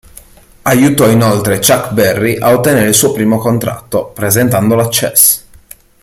Aiutò inoltre Chuck Berry ad ottenere il suo primo contratto, presentandolo a Chess.